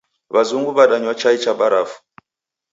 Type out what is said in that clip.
W'azungu w'adanywa chai cha barafu.